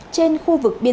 trên khu vực biển